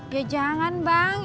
ya jangan bang